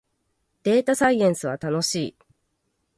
データサイエンスは楽しい